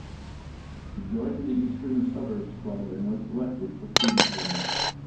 He joined the Eastern Suburbs club and was selected for Queensland.